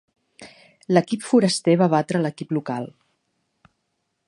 L'equip foraster va batre l'equip local.